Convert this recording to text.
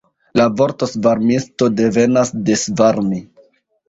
La vorto svarmisto devenas de svarmi.